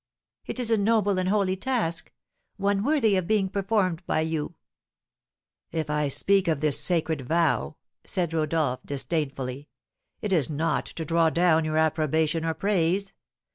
"It is a noble and holy task, one worthy of being performed by you." "If I speak of this sacred vow," said Rodolph, disdainfully, "it is not to draw down your approbation or praise.